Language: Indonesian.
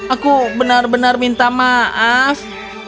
aku benar benar minta maaf